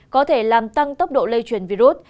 có thể làm tăng tốc độ lây truyền virus